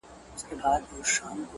o زه چي لـه چــــا سـره خبـري كـوم؛